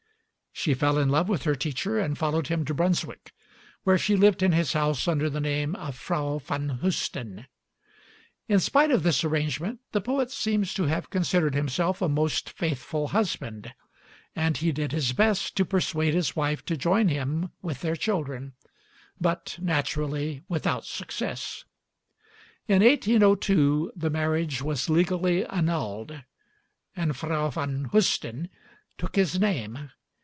She fell in love with her teacher and followed him to Brunswick, where she lived in his house under the name of Frau van Heusden. In spite of this arrangement, the poet seems to have considered himself a most faithful husband; and he did his best to persuade his wife to join him with their children, but naturally without success. In 1802 the marriage was legally annulled, and Frau van Heusden took his name.